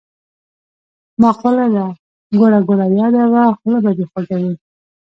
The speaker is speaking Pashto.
مقوله ده: ګوړه ګوړه یاده وه خوله به دی خوږه وي.